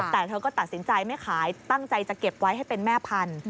แต่เธอก็ตัดสินใจไม่ขายตั้งใจจะเก็บไว้ให้เป็นแม่พันธุ